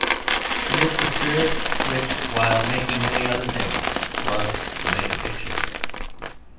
It is the spirit which, while making many other things, loves to make a picture.